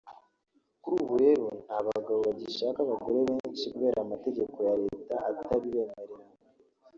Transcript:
Kuri ubu rero nta bagabo bagishaka abagore benshi kubera amategeko ya Leta atabibemerera